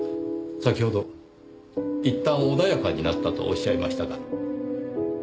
先ほどいったん穏やかになったとおっしゃいましたが。